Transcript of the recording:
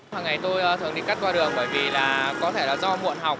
hằng ngày tôi thường đi cắt qua đường bởi vì là có thể là do muộn học